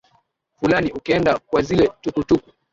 fulani ukienda kwa zile tukutuku